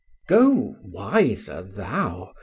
IV. Go, wiser thou!